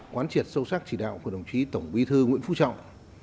quán triệt sâu sắc chỉ đạo của đồng chí tổng bí thư nguyễn phú trọng